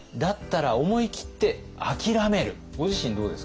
ご自身どうですか？